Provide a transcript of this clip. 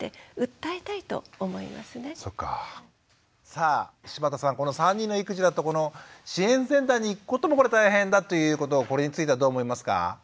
さあ柴田さん３人の育児だと支援センターに行くこともこれ大変だということをこれについてはどう思いますか？